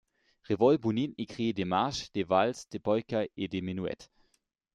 Revol Bounine écrit des marches, des valses, des polka et des menuets.